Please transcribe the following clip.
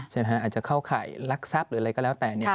ใช่ไหมครับอาจจะเข้าข่ายรักทรัพย์หรืออะไรก็แล้วแต่